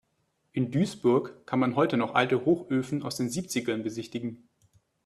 In Duisburg kann man heute noch alte Hochöfen aus den Siebzigern besichtigen.